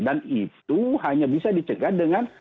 dan itu hanya bisa dicegah dengan